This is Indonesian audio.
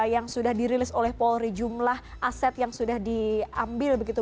yang sudah dirilis oleh polri jumlah aset yang sudah diambil begitu